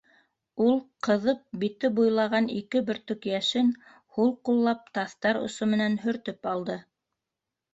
— Ул, ҡыҙып, бите буйлаған ике бөртөк йәшен һул ҡуллап таҫтар осо менән һөртөп алды.